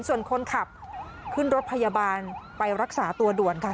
ส่วนคนขับขึ้นรถพยาบาลไปรักษาตัวด่วนค่ะ